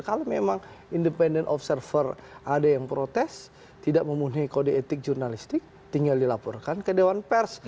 kalau memang independent observer ada yang protes tidak memenuhi kode etik jurnalistik tinggal dilaporkan ke dewan pers